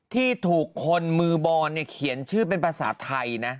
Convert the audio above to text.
ที่ถูกคนมือบอลเขียนชื่อเป็นภาษาไทยนะ